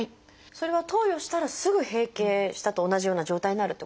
それは投与したらすぐ「閉経した」と同じような状態になるってことですか？